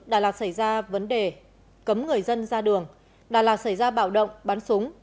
đà lạt xảy ra vấn đề cấm người dân ra đường đà lạt xảy ra bạo động bắn súng